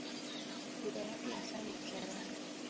Lugha yake hasa ni Kiaramu.